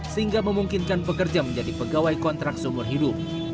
sehingga memungkinkan pekerja menjadi pegawai kontrak seumur hidup